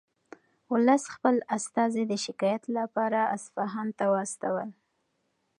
ولس خپل استازي د شکایت لپاره اصفهان ته واستول.